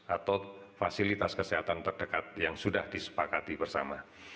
atau fasilitas kesehatan terdekat yang sudah disepakati bersama